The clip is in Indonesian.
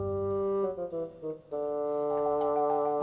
saya ingin tahu sopan santun